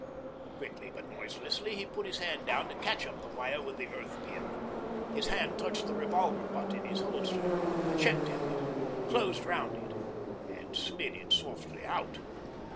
Quickly but noiselessly he put his hand down to catch up the wire with the earth pin. His hand touched the revolver butt in his holster, checked at it, closed round it and slid it softly out.